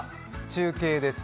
中継です。